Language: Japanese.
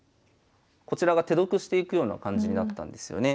こちらが手得していくような感じになったんですよね。